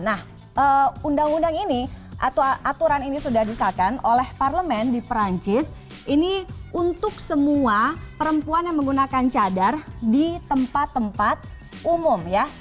nah undang undang ini atau aturan ini sudah disahkan oleh parlemen di perancis ini untuk semua perempuan yang menggunakan cadar di tempat tempat umum ya